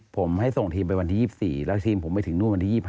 ผมให้ส่งทีมไปวันที่๒๔แล้วทีมผมไปถึงนู่นวันที่๒๕